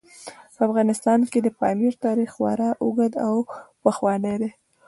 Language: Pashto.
په افغانستان کې د پامیر تاریخ خورا اوږد او پخوانی دی.